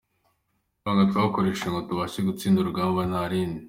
Ibanga twakoresheje ngo tubashe gutsinda urugamba nta rindi.